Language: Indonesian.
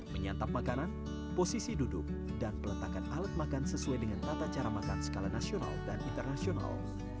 menyantap makanan posisi duduk dan pelentakan alat makan sesuai dengan tata cara makan skala nasional dan internasional